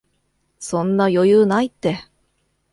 そんな余裕ないって